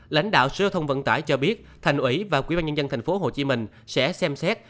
lãnh đạo sở thông vận tải cho biết thành ủy và quỹ ban nhân dân tp hcm sẽ xem xét